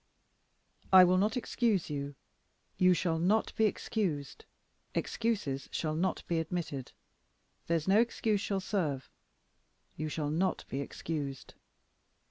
"I will not excuse you; you shall not be excused; excuses shall not be admitted; there's no excuse shall serve; you shall not be excused."